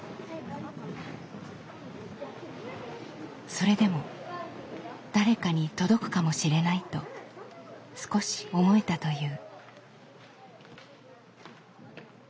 それでも「誰かに届くかもしれない」と少し思えたという。